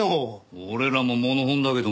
俺らもモノホンだけどな。